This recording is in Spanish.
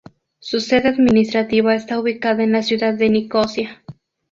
Su sede administrativa está ubicada en la ciudad de Nicosia.